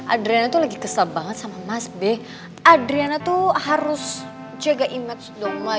adriana tuh lagi kesel banget sama mas b adriana tuh harus jaga image domba